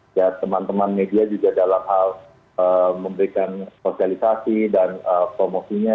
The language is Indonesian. dan teman teman media juga dalam hal memberikan sosialisasi dan promosinya